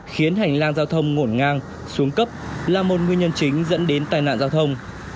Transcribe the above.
khiến hành lang giao thông ngổn ngang xuống cấp là một nguyên nhân chính dẫn đến tai nạn giao thông